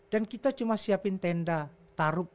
dan kita cuma siapin tenda taruk